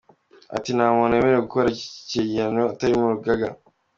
Ati « Nta muntu wemerewe gukora igenagaciro atari mu rugaga.